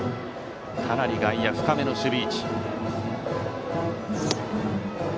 かなり外野は深めの守備位置。